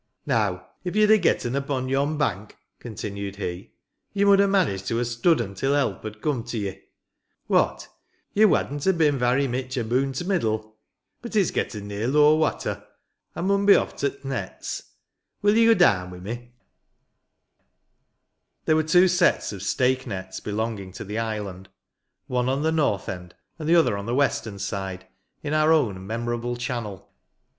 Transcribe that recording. ..... Now, if ye'd ha' getten upo' yon bank," continued he, " ye mud ha' managed to ha' studden till help had come to ye. What, ye wadn't ha' bin varra mich aboon t' middle. *.... But it's getten near law watter. I mun be off to t' nets. Will ye go daan wi'me?" There were two sets of " stake nets " belonging to the island ; one on the north end, and the other on the western side, in our own memorable channel.